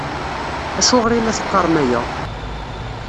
Acuɣer i la teqqarem aya?